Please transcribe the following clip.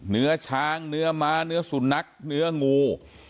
เนื้อช้างเนื้อม้าเนื้อสุนัขเนื้องู